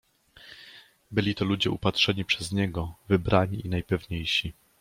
Byli to ludzie upatrzeni przez niego, wybrani i najpewniejsi.